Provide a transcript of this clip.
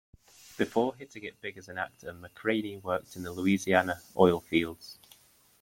Before hitting it big as an actor, McRaney worked in the Louisiana oil fields.